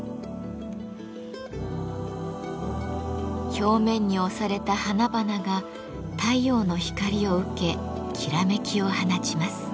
表面に押された花々が太陽の光を受けきらめきを放ちます。